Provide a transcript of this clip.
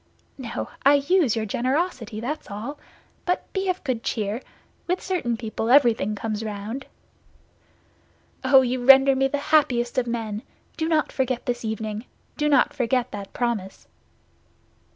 "No, I use your generosity, that's all. But be of good cheer; with certain people, everything comes round." "Oh, you render me the happiest of men! Do not forget this evening—do not forget that promise."